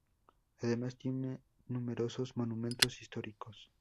Además tiene numerosos monumentos históricos.